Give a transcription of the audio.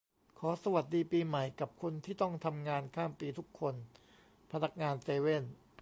ขอสวัสดีปีใหม่กับคนที่ต้องทำงานข้ามปีทุกคน พนักงานเซเว่น